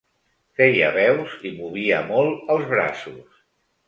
Feia veus i movia molt els braços.